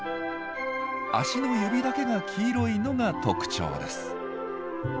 足の指だけが黄色いのが特徴です。